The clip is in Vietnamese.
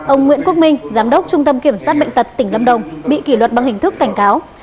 ông nguyễn quốc minh giám đốc trung tâm kiểm soát bệnh tật tỉnh lâm đồng bị kỷ luật bằng hình thức cảnh cáo